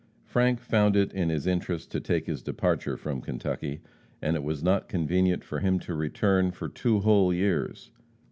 Frank found it for his interest to take his departure from Kentucky, and it was not convenient for him to return for two whole years.